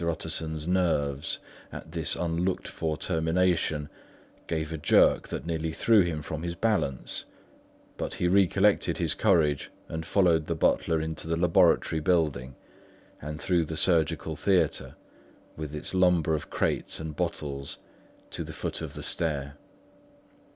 Utterson's nerves, at this unlooked for termination, gave a jerk that nearly threw him from his balance; but he recollected his courage and followed the butler into the laboratory building through the surgical theatre, with its lumber of crates and bottles, to the foot of the stair.